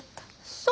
そう。